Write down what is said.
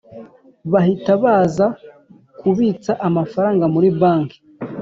bahita baza kubitsa amafaranga muri bank